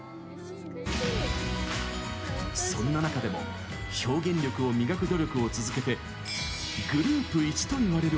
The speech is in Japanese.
そんな中でも表現力を磨く努力を続けてグループイチといわれるほどに。